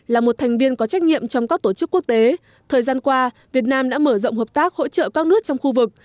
là một thành viên có trách nhiệm trong các tổ chức quốc tế thời gian qua việt nam đã mở rộng hợp tác hỗ trợ các nước trong khu vực